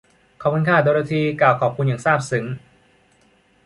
ขอบคุณค่ะ โดโรธี กล่าวขอบคุณ อย่างซาบซึ้ง